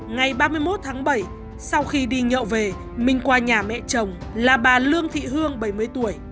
ngày ba mươi một tháng bảy sau khi đi nhậu về minh qua nhà mẹ chồng là bà lương thị hương bảy mươi tuổi